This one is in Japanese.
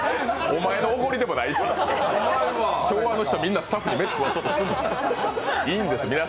お前のおごりでもないし、昭和の人、みんなスタッフに飯食わそうとすな。